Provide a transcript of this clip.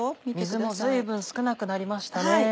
水も随分少なくなりましたね。